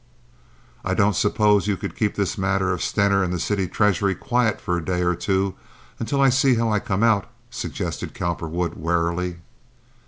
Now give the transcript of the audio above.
"I don't suppose you could keep this matter of Stener and the city treasury quiet for a day or two until I see how I come out?" suggested Cowperwood warily.